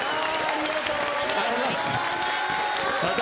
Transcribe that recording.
ありがとうございます。